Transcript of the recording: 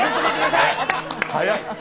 早い！